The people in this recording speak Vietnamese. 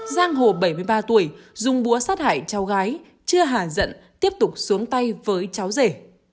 giang hồ bảy mươi ba tuổi dùng búa sát hại cháu gái chưa hà giận tiếp tục xuống tay với cháu rể